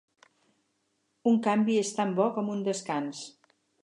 Un canvi es tan bo com un descans.